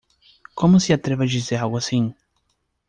Como se atreve a dizer algo assim?